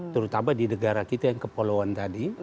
terutama di negara kita yang kepolongan